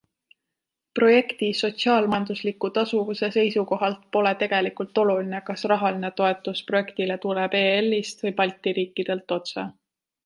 Projekti sotsiaalmajandusliku tasuvuse seisukohalt pole tegelikult oluline, kas rahaline toetus projektile tuleb EL-st või balti riikidelt otse.